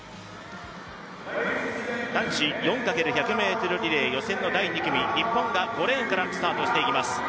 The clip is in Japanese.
男子４×１００ｍリレー予選の第２組、日本が５レーンからスタートしていきます。